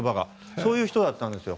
そういう人だったんですよ。